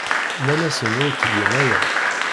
Nnan-asen ur ttgen aya.